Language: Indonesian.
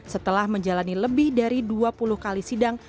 setelah menjalani lebih dari dua puluh kali sidang